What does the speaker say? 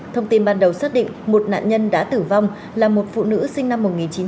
thông tin ban đầu xác định một nạn nhân đã tử vong là một phụ nữ sinh năm một nghìn chín trăm tám mươi